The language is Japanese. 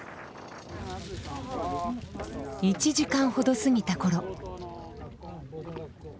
１時間ほど過ぎた頃。